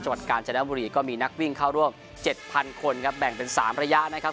จังหวัดกาลชนะบุรีก็มีนักวิ่งเข้าร่วมเจ็ดพันคนครับแบ่งเป็นสามระยะนะครับ